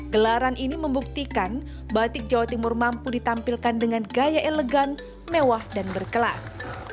gelaran ini membuktikan batik jawa timur mampu ditampilkan dengan gaya elegan mewah dan berkelas